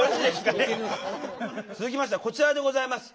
続きましてはこちらでございます。